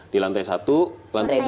di lantai satu lantai dua